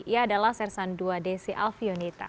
ia adalah sersan ii desi alfionita